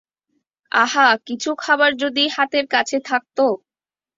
আহা, কিছু খাবার যদি হাতের কাছে থাকত!